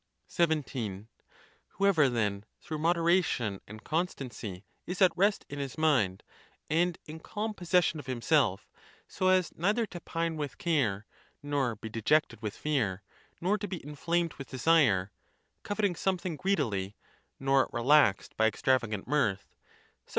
XVII. Whoever, then, through moderation and constan cy, is at rest in his mind, and in calm possession of him self, so as neither.to pine with care, nor be dejected with fear, nor to be inflamed with desire, coveting something greedily, nor relaxed by extravagant mirth—such.